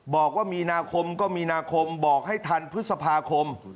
บอกว่ามีนาคมก็มีนาคมบอกให้ทันพฤษภาคม